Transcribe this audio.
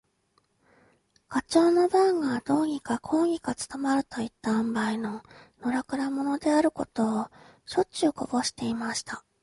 ガチョウの番がどうにかこうにか務まるといった塩梅の、のらくら者であることを、しょっちゅうこぼしていました。